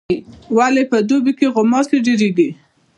ولي په دوبي کي غوماشي ډیریږي؟